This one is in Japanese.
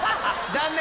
残念！